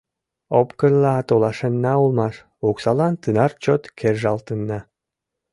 Опкынла толашенна улмаш, оксалан тынар чот кержалтынна...